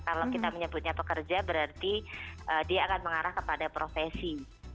kalau kita menyebutnya pekerja berarti dia akan mengarah kepada profesi